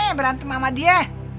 bukan berantem sama dia